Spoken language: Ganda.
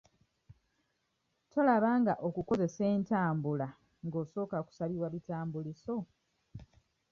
Tolaba nga okukozesa entambula nga osooka kusabibwa bitambuliiso.